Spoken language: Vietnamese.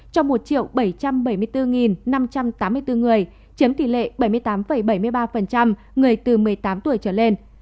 cho một bảy trăm bảy mươi bốn năm trăm tám mươi bốn người chiếm tỷ lệ bảy mươi tám bảy mươi ba người từ một mươi tám tuổi trở lên